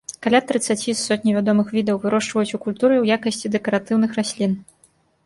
Каля трыццаці з сотні вядомых відаў вырошчваюць у культуры ў якасці дэкаратыўных раслін.